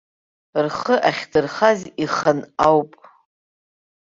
Рхы ахьдырхаз ихан ауп.